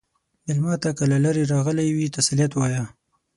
مېلمه ته که له لرې راغلی وي، تسلیت وایه.